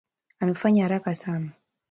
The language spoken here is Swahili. Amefanya haraka sana.